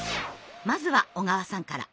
まずは小川さんから。